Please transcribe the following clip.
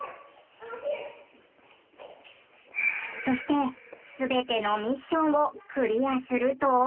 そして全てのミッションをクリアすると。